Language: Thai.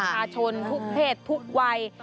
ประชาชนทุกเพศทุกวัย